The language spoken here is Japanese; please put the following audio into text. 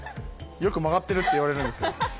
よく曲がってるって言われるんですよ。